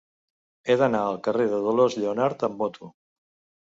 He d'anar al carrer de Dolors Lleonart amb moto.